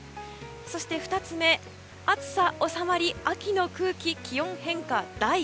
そして、２つ目暑さ収まり、秋の空気気温変化大。